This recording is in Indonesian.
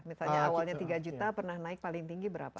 misalnya awalnya tiga juta pernah naik paling tinggi berapa